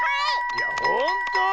いやほんとう？